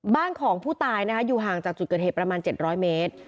บ้านของผู้ตายอยู่ห่างจากจุดเกิดเหตุประมาณ๗๐๐เมตร